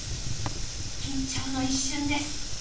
緊張の一瞬ですおぉ！